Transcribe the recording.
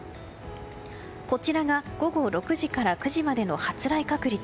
こちらが午後６時から９時までの発雷確率。